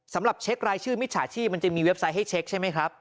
สำหรับเช็ครายชื่อมิจฉาชีพมันจะมีเว็บไซต์ให้เช็คใช่ไหมครับ